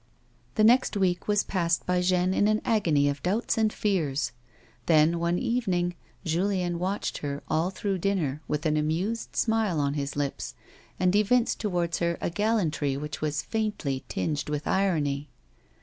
The next week was passed by Jeanne in an agony of doubts and fears. Then one evening, Julien watched her all through dinner with an amused smile on his lips, and evinced towards her a gallantry which was faintly tinged with irony.